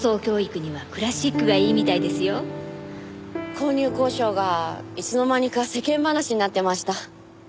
購入交渉がいつの間にか世間話になってました。